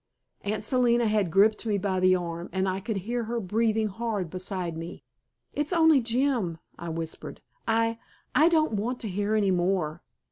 Aunt Selina had gripped me by the arm, and I could hear her breathing hard beside me. "It's only Jim," I whispered. "I I don't want to hear any more."